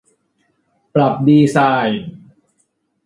ปรับดีไซน์